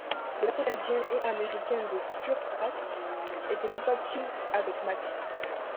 Les versions canadiennes et américaines de Puretracks étaient compatibles avec Mac.